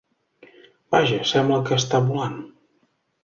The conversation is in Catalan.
Vaja! Sembla que està volant!